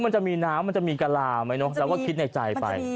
มันจะมีน้ำมันจะมีกะลาไหมเนอะเราก็คิดในใจไป